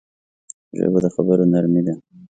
ژبه د خبرو نرمي ده